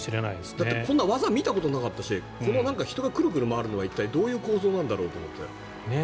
だってこんな技見たことなかったし人がクルクル回るのは一体どういう構造なんだろうと思って。